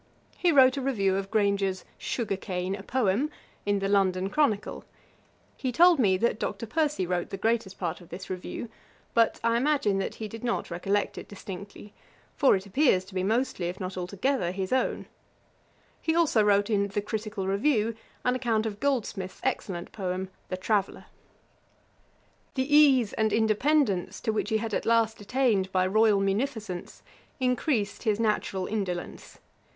He wrote a review of Grainger's Sugar Cane, a Poem, in the London Chronicle. He told me, that Dr. Percy wrote the greatest part of this review; but, I imagine, he did not recollect it distinctly, for it appears to be mostly, if not altogether, his own. He also wrote in The Critical Review, an account of Goldsmith's excellent poem, The Traveller. The ease and independence to which he had at last attained by royal munificence, increased his natural indolence.